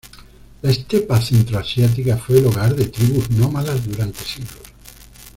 La estepa centro-asiática fue el hogar de tribus nómadas durante siglos.